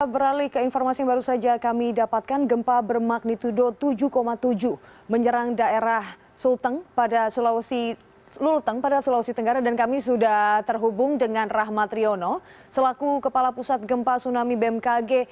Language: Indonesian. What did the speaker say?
beralih ke informasi yang baru saja kami dapatkan gempa bermagnitudo tujuh tujuh menyerang daerah sulteng pada sulawesi tenggara dan kami sudah terhubung dengan rahmat riono selaku kepala pusat gempa tsunami bmkg